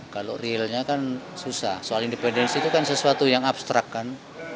kalau realnya kan susah soal independensi itu kan sesuatu yang abstrak kan